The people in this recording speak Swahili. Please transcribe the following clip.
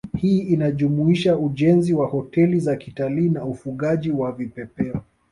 Hii inajumuisha ujenzi wa hoteli za kitalii na ufugaji wa vipepeo